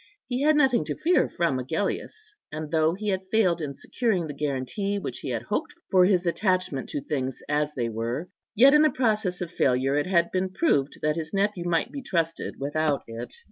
He had nothing to fear from Agellius, and though he had failed in securing the guarantee which he had hoped for his attachment to things as they were, yet in the process of failure it had been proved that his nephew might be trusted without it.